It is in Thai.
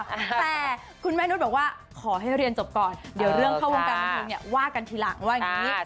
แต่คุณแม่นุษย์บอกว่าขอให้เรียนจบก่อนเดี๋ยวเรื่องเข้าวงการบันเทิงเนี่ยว่ากันทีหลังว่าอย่างนี้